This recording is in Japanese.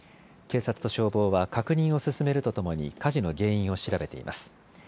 警察と消防は確認を進めるとともに火事の原因を調べています。